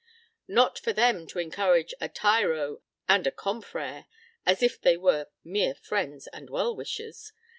Not for them to encourage a tyro and a confrère, as if they were mere friends and well wishers.